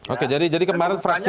oke jadi kemarin fraksi